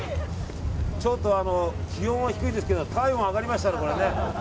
ちょっと気温は低いけど体温は上がりましたね。